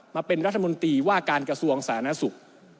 มาเป็นรัฐมนตรีว่าการกระทรวงสาธารณสุข